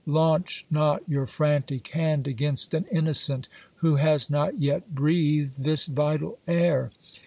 Launch not your frantic hand against an innocent, who has not yet breathed this vital air.